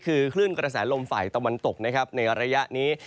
คือคลื่นกระแสลมไฟตะวันตกในระยะนี้